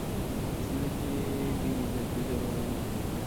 دلته سینه کې دی د زړه غوندې درزېږي وطن